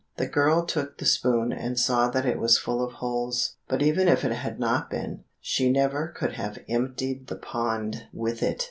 The girl took the spoon, and saw that it was full of holes; but even if it had not been, she never could have emptied the pond with it.